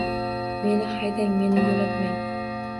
Meni haydang, meni yoʻlatmang